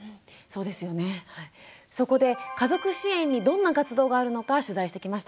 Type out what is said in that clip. そこで家族支援にどんな活動があるのか取材してきました。